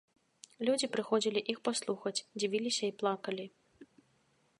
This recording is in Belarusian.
Людзі прыходзілі іх паслухаць, дзівіліся і плакалі.